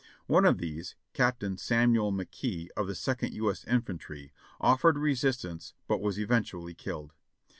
One of these. Captain (Samuel) McKee, of the Second U. S. In fantry, offered resistance but was eventually killed.